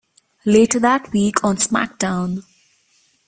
Later that week on SmackDown!